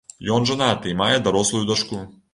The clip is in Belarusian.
Ён жанаты і мае дарослую дачку.